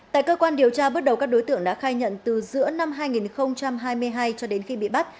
tại cơ quan điều tra bước đầu các đối tượng đã khai nhận từ giữa năm hai nghìn hai mươi hai cho đến khi bị bắt